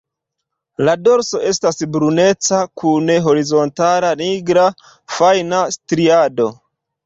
La dorso estas bruneca kun horizontala nigra fajna striado.